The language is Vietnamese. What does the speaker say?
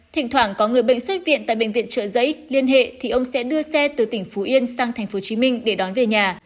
thỉnh thoảng có người bệnh xuất viện tại bệnh viện trợ giấy liên hệ thì ông sẽ đưa xe từ tỉnh phú yên sang tp hcm để đón về nhà